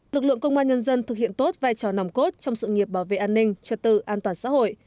lực lượng công an nhân dân thực hiện tốt vai trò nòng cốt trong sự nghiệp bảo vệ an ninh trật tự an toàn xã hội